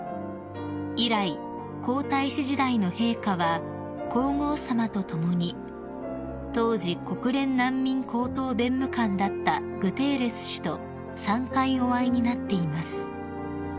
［以来皇太子時代の陛下は皇后さまと共に当時国連難民高等弁務官だったグテーレス氏と３回お会いになっています］